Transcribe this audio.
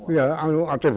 itu atbm semua